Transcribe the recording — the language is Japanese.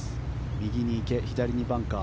右に池、左にバンカー